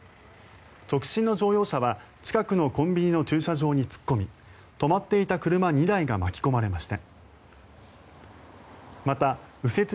直進の乗用車は近くのコンビニの駐車場に突っ込み止まっていた車２台が巻き込まれました。